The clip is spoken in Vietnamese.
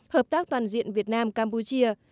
hợp tác toàn diện việt nam campuchia